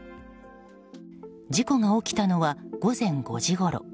事故が起きたのは午前５時ごろ。